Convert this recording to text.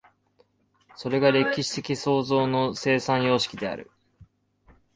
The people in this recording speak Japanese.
それが歴史的創造の生産様式である。